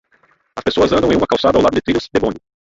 As pessoas andam em uma calçada ao lado de trilhos de bonde.